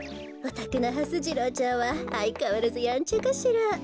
おたくのはす次郎ちゃんはあいかわらずやんちゃかしら？